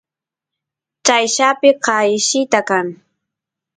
chayllapi qayllita kan